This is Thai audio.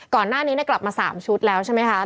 ก่อนหน้านี้กลับมา๓ชุดแล้วใช่ไหมคะ